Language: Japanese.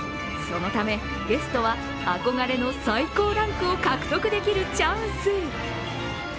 そのため、ゲストは憧れの最高ランクを獲得できるチャンス。